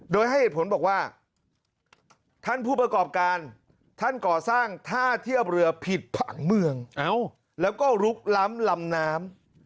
โดยให้เหตุผลบอกว่าท่านผู้ประกอบการท่านก่อสร้างท่าเทียบเรือผิดผังเมืองแล้วก็ลุกล้ำลำน้ำ